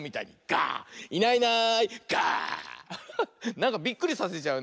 なんかびっくりさせちゃうね。